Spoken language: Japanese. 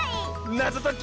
なぞとき。